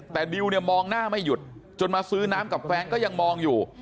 แต่ดิวเนี่ยมองหน้าไม่หยุดจนมาซื้อน้ำกับแฟนก็ยังมองอยู่